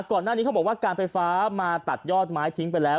ก่อนหน้านี้เขาบอกว่าการไฟฟ้ามาตัดยอดไม้ทิ้งไปแล้ว